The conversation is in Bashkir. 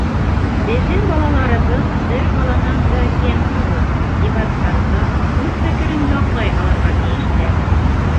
Беҙҙең балаларыбыҙ бер баланан да кәм түгел - дебаттарҙа үҙ фекерен яҡлай алырға тейештәр.